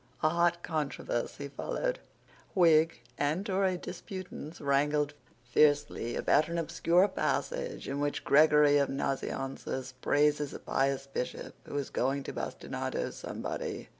A hot controversy followed. Whig and Tory disputants wrangled fiercely about an obscure passage, in which Gregory of Nazianzus praises a pious Bishop who was going to bastinado somebody.